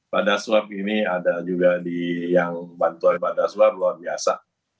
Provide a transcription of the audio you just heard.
padasuar ini ada juga yang bantuan padasuar luar biasa